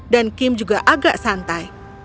dan kim juga agak santai